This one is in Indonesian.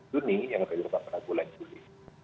dunia yang terdapat pada bulan juli